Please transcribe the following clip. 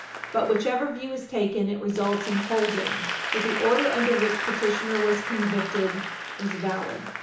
But whichever view is taken, it results in holding that the order under which petitioner was convicted was valid.